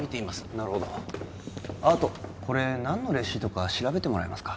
なるほどあとこれ何のレシートか調べてもらえますか？